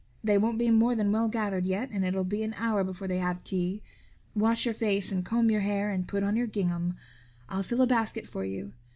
They won't be more than well gathered yet and it'll be an hour before they have tea. Wash your face and comb your hair and put on your gingham. I'll fill a basket for you.